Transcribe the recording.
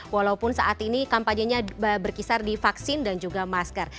walaupun saat ini kampanyenya berkisar di vaksin dan juga masker